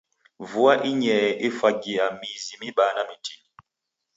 Vua inyee efwagia mizi mibaa na mitini.